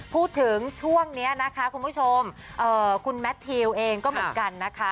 พูดถึงช่วงนี้นะคะคุณผู้ชมคุณแมททิวเองก็เหมือนกันนะคะ